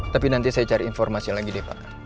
tapi nanti saya cari informasi lagi deh pak